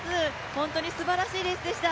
本当にすばらしいレースでした。